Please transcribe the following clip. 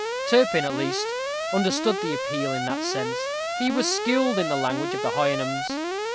Turpin, at least, understood the appeal in that sense; he was skilled in the language of the Houyhnhnms.